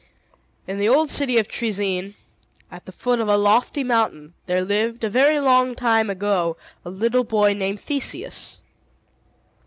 In the old city of Troezene, at the foot of a lofty mountain, there lived, a very long time ago, a little boy named Theseus.